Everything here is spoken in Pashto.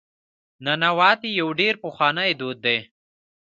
ننواتې یو ډېر پخوانی دود دی.